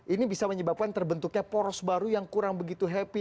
ini bisa menyebabkan terbentuknya poros baru yang kurang begitu happy